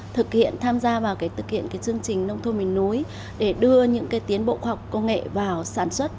thực hiện tham gia vào cái chương trình nông thôn mình núi để đưa những cái tiến bộ khoa học công nghệ vào sản xuất